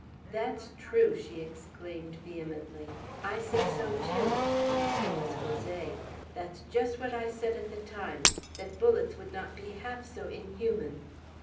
"That's true." she exclaimed vehemently. "I say so too; and so was Jose. That's just what I said at the time, that bullets would not be half so inhuman!"